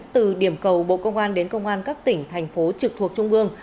từ điểm cầu bộ công an đến công an các tỉnh thành phố trực thuộc trung ương